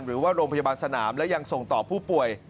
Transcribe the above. หรือว่าโรงพยาบาลสนามและยังส่งต่อผู้ป่วย